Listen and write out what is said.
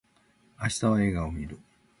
明日は映画を見る